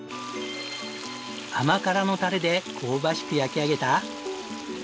甘辛のタレで香ばしく焼き上げた。